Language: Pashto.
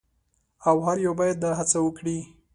او هر یو باید دا هڅه وکړي.